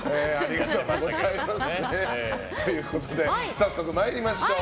早速参りましょう。